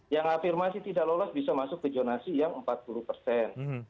yang afirmasi tidak lolos bisa masuk ke zonasi yang empat puluh persen